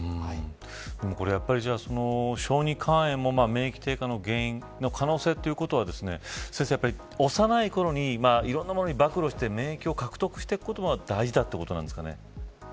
小児肝炎も免疫低下の原因の可能性ということは幼いころにいろんなものに暴露して免疫を獲得していくことが大事だということですかね。